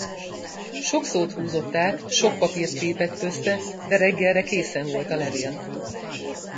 Sok szót húzott át, sok papírt tépett össze, de reggelre készen volt a levél.